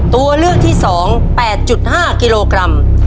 ตัวเลือกที่๒๘๕กิโลกรัม